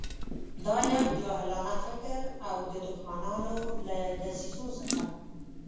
دا یو جاهلانه فکر او د دښمنانو له دسیسو څخه.